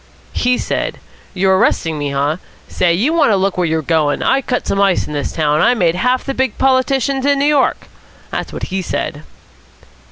"He said, 'You're arresting me, huh? Say, you want to look where you're goin'; I cut some ice in this town. I made half the big politicians in New York!' That was what he said."